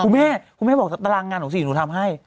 คุณแม่คุณแม่บอกตารางงานหนูสิหนูทำให้